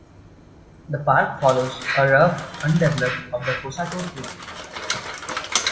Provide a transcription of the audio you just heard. The park follows a rough, undeveloped of the Cossatot River.